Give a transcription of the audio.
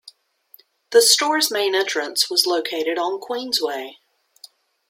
The store's main entrance was located on Queensway.